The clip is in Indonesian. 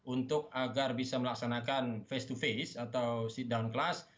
untuk agar bisa melaksanakan face to face atau seat down kelas